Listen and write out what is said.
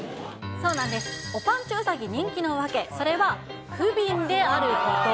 そうなんです、おぱんちゅうさぎ人気の訳、それは不憫であること。